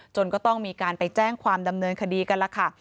ก็ต้องมีการไปแจ้งความดำเนินคดีกันแล้วค่ะ